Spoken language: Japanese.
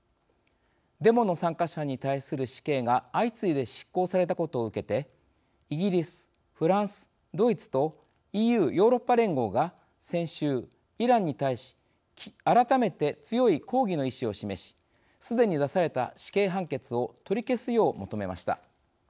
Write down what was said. デモの参加者に対する死刑が相次いで執行されたことを受けてイギリス、フランス、ドイツとＥＵ＝ヨーロッパ連合が先週イランに対し改めて強い抗議の意思を示しすでに出された死刑判決を取り消すよう求めました。